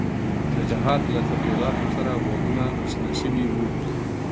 د جهاد له تبلیغاتو سره غوږونه اشنا شوي وو.